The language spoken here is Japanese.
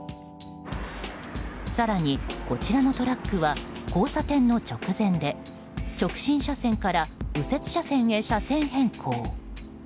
更に、こちらのトラックは交差点の直前で直進車線から右折車線へ車線変更。